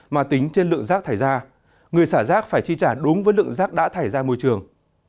mà tính trên lượng rác thải ra người xả rác phải chi trả đúng với lượng rác đã thải ra môi trường